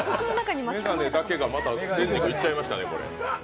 眼鏡だけが天竺行っちゃいましたね。